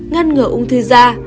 ba ngăn ngừa ung thư da